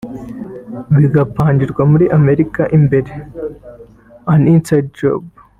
bigapangirwa muri Amerika imbere(An inside job)